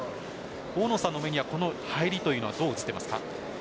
大野さんの目にはこの入りはどう映っていますか？